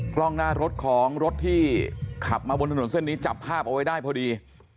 กล้องหน้ารถของรถที่ขับมาบนถนนเส้นนี้จับภาพเอาไว้ได้พอดี